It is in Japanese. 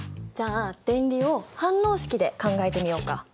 じゃあ電離を反応式で考えてみようか。